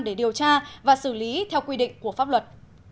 để điều tra và xử lý theo quy định của pháp luật